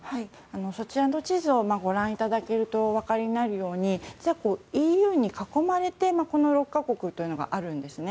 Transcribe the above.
そちらの地図をご覧いただけるとお分かりになるように実はＥＵに囲まれてこの６か国があるんですね。